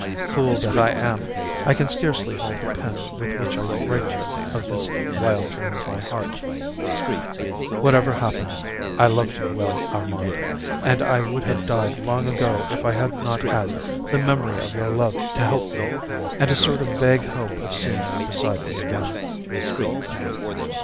Fool that I am! I can scarcely hold the pen with which I write to you of this wild dream of my heart. Whatever happens, I loved you well, Armand, and I would have died long ago if I had not had the memory of your love to help me and a sort of vague hope of seeing you beside me again.